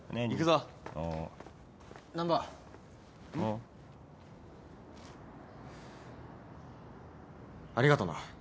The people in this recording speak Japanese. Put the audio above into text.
んありがとな。